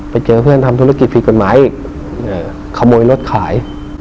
ไปเจอเพื่อนทำธุรกิจผิดกฎหมายอีกขโมยรถขาย